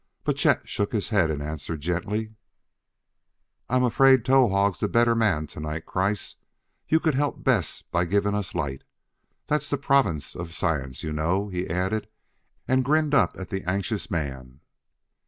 But Chet shook his head and answered gently: "I'm afraid Towahg's the better man to night, Kreiss. You can help best by giving us light. That's the province of science, you know," he added, and grinned up at the anxious man.